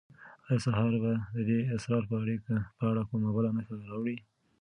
آیا سهار به د دې اسرار په اړه کومه بله نښه راوړي؟